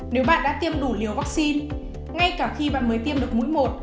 nếu bạn đã tiêm đủ liều vaccine ngay cả khi bạn mới tiêm được mũi một